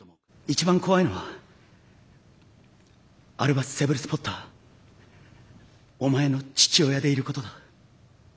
一番怖いのはアルバス・セブルス・ポッターお前の父親でいることだ。